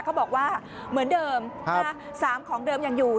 เขาบอกว่าเหมือนเดิม๓ของเดิมยังอยู่